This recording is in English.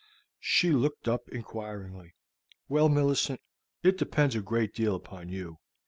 She looked up inquiringly. "Well, Millicent, it depends a great deal upon you.